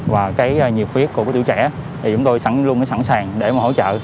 và cái nhiệt huyết của cái tiểu trẻ thì chúng tôi luôn sẵn sàng để mà hỗ trợ